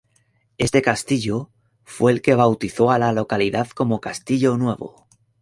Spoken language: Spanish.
Este castillo fue el que bautizó a la localidad como "Castillo-Nuevo".